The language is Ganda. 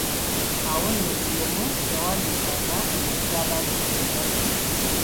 Awo nno buli omu yawandiikanga ekyo ky'ateebereza nti kye kituufu.